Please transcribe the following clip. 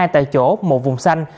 hai tại chỗ một vùng xanh